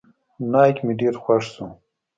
نايک مې ډېر خوښ سو.